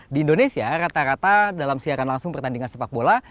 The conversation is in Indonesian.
di indonesia rata rata dalam siaran langsung pertandingan sepak bola